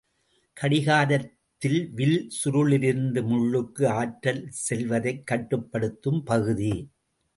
கடிகாரத்தில் வில் சுருளிலிருந்து முள்ளுக்கு ஆற்றல் செல்வதைக் கட்டுப்படுத்தும் பகுதி.